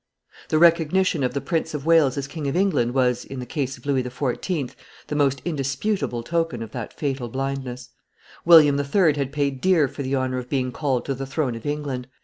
The recognition of the Prince of Wales as King of England was, in the case of Louis XIV., the most indisputable token of that fatal blindness. William III. had paid dear for the honor of being called to the throne of England.